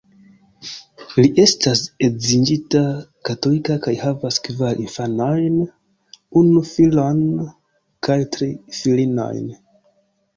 Li estas edziĝinta, katolika kaj havas kvar infanojn, unu filon kaj tri filinojn.